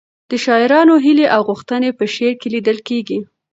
د شاعرانو هیلې او غوښتنې په شعر کې لیدل کېږي.